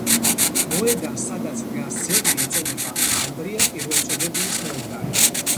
მოედანს სადაც დგას ძეგლი ეწოდება ანდრია პირველწოდებულის მოედანი.